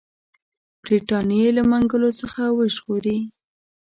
برټانیې له منګولو څخه وژغوري.